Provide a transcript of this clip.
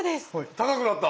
高くなった！